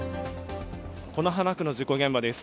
此花区の事故現場です。